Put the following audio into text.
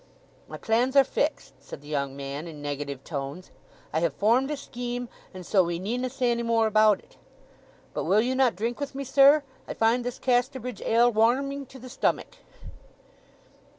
"My plans are fixed," said the young man, in negative tones. "I have formed a scheme, and so we need na say any more about it. But will you not drink with me, sir? I find this Casterbridge ale warreming to the stomach."